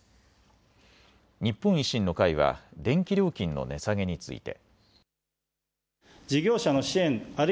日本維新の会は電気料金の値下げについて。